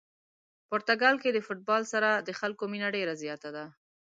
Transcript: پرتګال کې د فوتبال سره د خلکو مینه ډېره زیاته ده.